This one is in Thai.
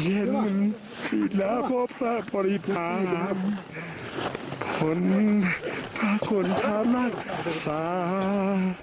เย็นศีรพพระปริภาพผลพระคนธรรมนักศาสตร์